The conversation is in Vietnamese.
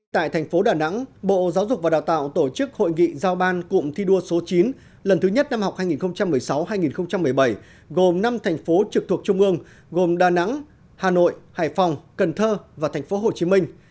tại thành phố đà nẵng bộ giáo dục và đào tạo tổ chức hội nghị giao ban cụm thi đua số chín lần thứ nhất năm học hai nghìn một mươi sáu hai nghìn một mươi bảy gồm năm thành phố trực thuộc trung ương gồm đà nẵng hà nội hải phòng cần thơ và thành phố hồ chí minh